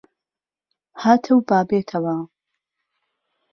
هاتهو با بێتهوه